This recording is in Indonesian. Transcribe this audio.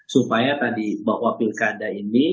supaya tadi bahwa pilkada ini